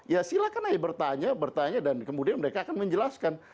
ya silakan bertanya bertanya dan kemudian mereka akan menjelaskan